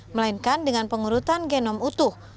melainkan dengan pengurutan genom utuh